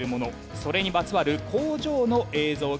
それにまつわる工場の映像が流れます。